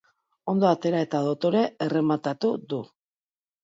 Ondo atera eta dotore errematatu du.